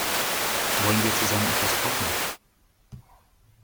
Wollen wir zusammen etwas kochen?